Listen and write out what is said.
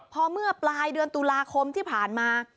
พอเมื่อปลายเดือนตุลาคมที่ผ่านมา